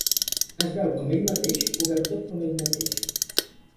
Es veu com ell mateix, ho veu tot com ell mateix.